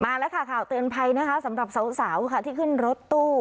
มาแล้วค่ะข่าวเตือนภัยนะคะสำหรับสาวค่ะที่ขึ้นรถตู้